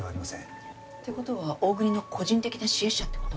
って事は大國の個人的な支援者って事？